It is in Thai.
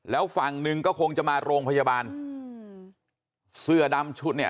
แล้วฝั่งหนึ่งก็คงจะมาโรงพยาบาลอืมเสื้อดำชุดเนี่ย